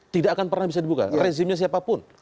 tidak akan pernah bisa dibuka rezimnya siapapun